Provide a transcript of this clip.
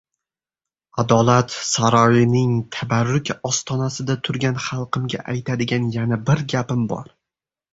Adolat saroyining tabarruk ostonasida turgan xalqimga aytadigan yana bir gapim bor.